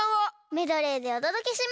メドレーでおとどけします！